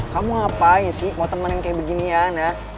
kamu ngapain sih mau temen yang kayak beginian ya